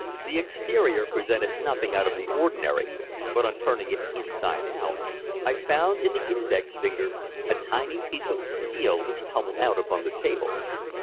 The exterior presented nothing out of the ordinary, but on turning it inside out, I found in the index finger a tiny piece of steel which tumbled out upon the table.